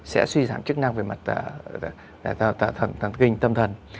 sẽ suy giảm chức năng về mặt thần tăng kinh tâm thần